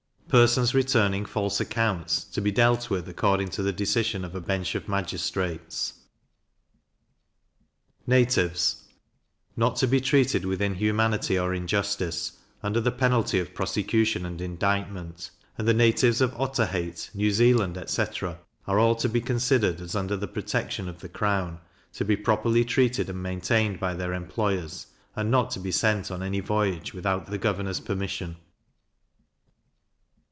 Persons returning false accounts, to be dealt with according to the decision of a bench of magistrates. Natives not to be treated with inhumanity or injustice, under the penalty of prosecution and indictment; and the natives of Otaheite, New Zealand, etc. are all to be considered as under the protection of the crown; to be properly treated and maintained by their employers, and not to be sent on any voyage without the governor's permission.